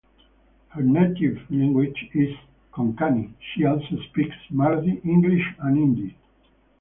Her native language is Konkani; she also speaks Marathi, English and Hindi.